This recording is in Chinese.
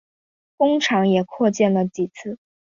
工厂也扩建了几次。